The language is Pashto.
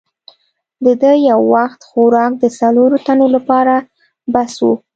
د ده یو وخت خوراک د څلورو تنو لپاره بس وو.